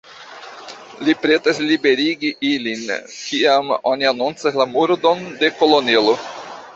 Li pretas liberigi ilin, kiam oni anoncas la murdon de kolonelo.